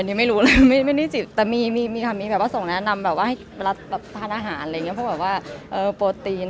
อันนี้ไม่รู้เลยแต่มีความมีแบบว่าส่งแนะนำทางอาหารพวกมายว่าโปรตีน